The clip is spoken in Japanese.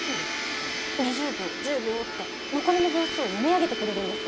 こう２０秒１０秒って残りの秒数を読み上げてくれるんです。